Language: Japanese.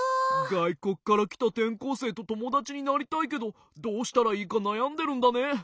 がいこくからきたてんこうせいとともだちになりたいけどどうしたらいいかなやんでるんだね。